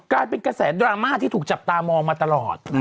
กลายเป็นกระแสดราม่าที่ถูกจับตามองมาตลอด